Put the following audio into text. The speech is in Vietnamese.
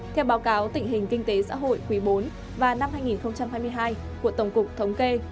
theo báo cáo tình hình kinh tế xã hội quý bốn và năm hai nghìn hai mươi hai của tổng cục thống kê